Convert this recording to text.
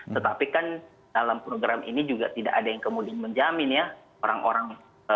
tetapi kan dalam program ini juga tidak ada yang kemudian menjamin ya orang orang